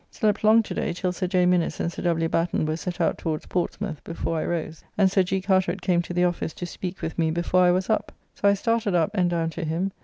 Slept long to day till Sir J. Minnes and Sir W. Batten were set out towards Portsmouth before I rose, and Sir G. Carteret came to the office to speak with me before I was up. So I started up and down to him.